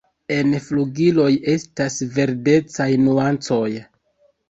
En flugiloj estas verdecaj nuancoj.